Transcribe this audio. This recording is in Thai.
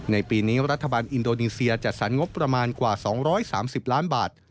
ในปีนี้รัฐบาลอินโดนีเซียจัดสรรงบประมาณกว่า๒๓๐ล้านบาท